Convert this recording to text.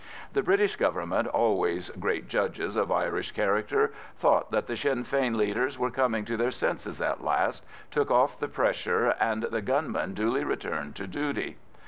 The British Government, always great judges of Irish character, thought that the Sinn Fein leaders were coming to their senses at last, took off the pressure, and the gunmen duly returned to duty.